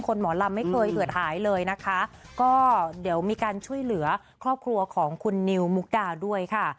หมอลำไม่เคยเหือดหายเลยนะคะก็เดี๋ยวมีการช่วยเหลือครอบครัวของคุณนิวมุกดาด้วยค่ะ